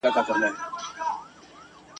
جهاني شپې مي کړې سپیني توري ورځي مي راوړي ..